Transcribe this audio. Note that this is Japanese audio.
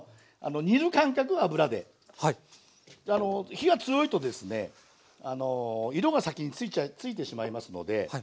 火が強いとですね色が先についてしまいますので。